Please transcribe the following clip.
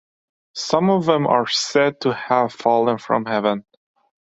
Some of them are said to have fallen from heaven.